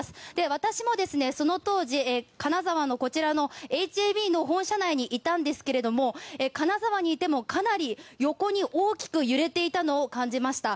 私もその当時金沢のＨＡＢの本社内にいたんですけれども金沢にいてもかなり横に大きく揺れていたのを感じました。